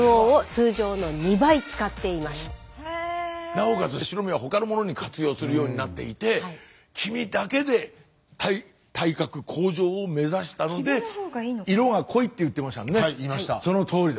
なおかつ白身は他のものに活用するようになっていて黄身だけで体格向上を目指したので色が濃いって言ってましたもんね。